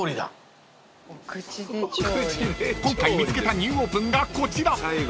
［今回見つけたニューオープンがこちら］